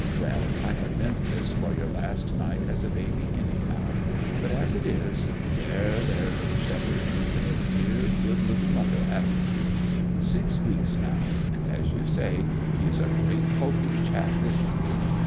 Well, I had meant this for your last night as a baby, anyhow. But as it is there, there, little shepherd, you've been a dear, good little mother, haven't you? Six weeks now; and, as you say, he is a great hulking chap, isn't he?